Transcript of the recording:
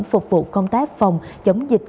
phục vụ công tác phòng chống dịch